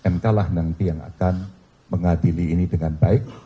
mk lah nanti yang akan mengadili ini dengan baik